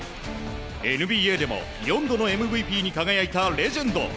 ＮＢＡでも４度のＭＶＰに輝いたレジェンド。